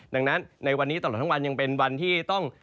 ดังนั้นในวันนี้ตลอดทั้งวันยังเป็นวันที่ต้อง